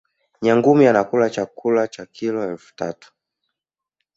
nyangumi anakula chakula cha kilo elfu tatu